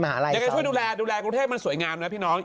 ยังไงช่วยดูแลดูแลกรุงเทพมันสวยงามนะพี่น้อง